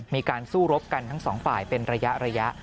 มีการสู้รบกันทั้งสองฝ่ายเป็นระยะ